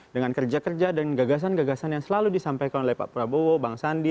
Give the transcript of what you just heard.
dengan kerja kerja dan gagasan gagasan yang selalu disampaikan oleh pak prabowo bang sandi